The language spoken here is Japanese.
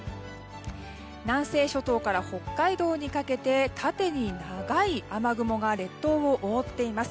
南西諸島から北海道にかけて縦に長い雨雲が列島を覆っています。